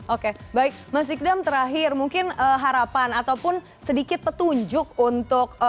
oke baik mas sikdam terakhir mungkin harapan ataupun sedikit petunjuk untuk